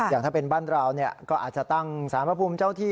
อย่างถ้าเป็นบ้านเราก็อาจจะตั้งสารพระภูมิเจ้าที่